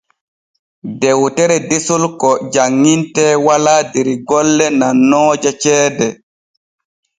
Dewtere desol ko janŋintee walaa der golle nannooje ceede.